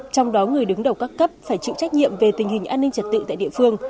trong đó người đứng đầu các cấp phải chịu trách nhiệm về tình hình an ninh trật tự tại địa phương